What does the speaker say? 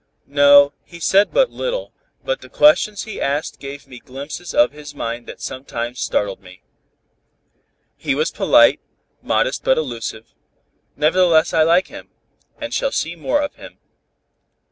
"No, he said but little, but the questions he asked gave me glimpses of his mind that sometimes startled me. He was polite, modest but elusive, nevertheless, I like him, and shall see more of him."